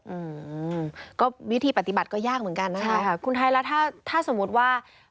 อืมก็วิธีปฏิบัติก็ยากเหมือนกันนะคะใช่ค่ะคุณไทยแล้วถ้าถ้าสมมุติว่า